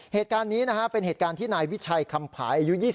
เหตุการณ์นี้นะครับเป็นเหตุการณ์ที่นายวิชัยคำภาย